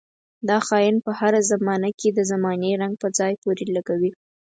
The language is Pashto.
دا خاين پر هره زمانه کې د زمانې رنګ په ځان پورې لګوي.